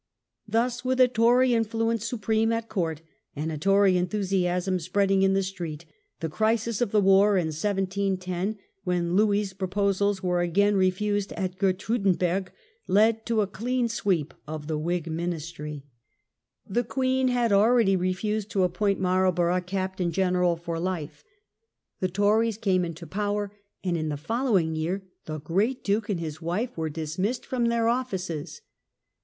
Thus, with a Tory influence supreme at court and a Tory enthusiasm spreading in the street, the p^nofthe crisis of the war in 17 10, when Louis' pro war ministry, posals were again refused at Gertruydenberg, ^^"' led to a clean sweep of the Whig ministry. The queen 126 FALL OF THE WHIGS. had already refused to appoint Marlborough captain general for life. The Tories came into power, and in the following year the great duke and his wife were dismissed from their offices.